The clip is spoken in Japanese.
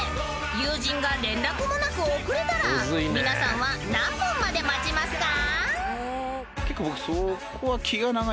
［友人が連絡もなく遅れたら皆さんは何分まで待ちますか？］